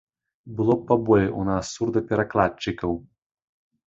Было б паболей у нас сурдаперакладчыкаў.